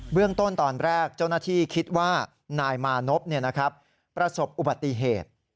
เบื้องต้นตอนแรกนาที่คิดว่านายมานนท์ประสบอุบัติเหตุ